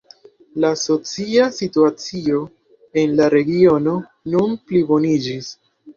La socia situacio en la regiono nun pliboniĝis.